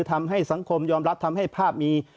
ทำให้สังคมยอมรับทำให้ภาพนี้